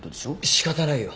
仕方ないよ。